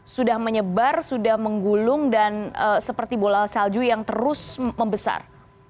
sudah menyebar sudah menggulung dan seperti bola salju yang terus membesar